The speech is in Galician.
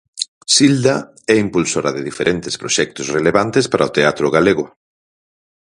Silda é impulsora de diferentes proxectos relevantes para o teatro galego.